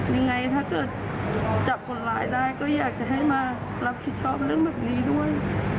ยังไงถ้าเกิดจับคนร้ายได้ก็อยากจะให้มารับผิดชอบเรื่องแบบนี้ด้วย